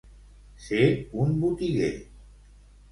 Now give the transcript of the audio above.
Ser un botiguer.